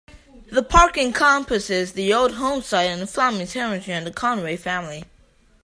The park encompasses the old homesite and family cemetery of the Conway family.